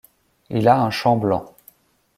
Il a un champ blanc.